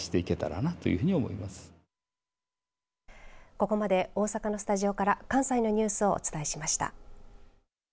ここまで大阪のスタジオから関西のニュースをお伝えしました。